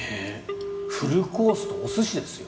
フルコースとお寿司ですよ。